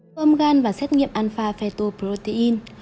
cơm gan và xét nghiệm alpha fetoprotein